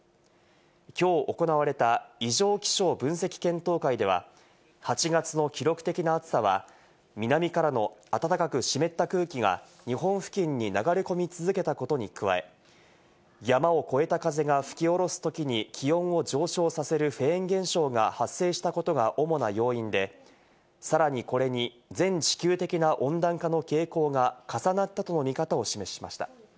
きょう行われた異常気象分析検討会では、８月の記録的な暑さは、南からの暖かく湿った空気が日本付近に流れ込み続けたことに加え、山を越えた風が吹き下ろすときに気温を上昇させるフェーン現象が発生したことが主な要因で、さらに、これに全地球的な温暖化の傾向が重なったとの見方を示しました。